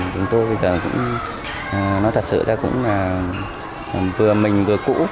chúng tôi bây giờ cũng nói thật sự ra cũng là vừa mình vừa cũ